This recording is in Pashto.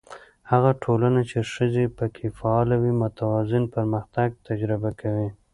هغه ټولنه چې ښځې پکې فعاله وي، متوازن پرمختګ تجربه کوي.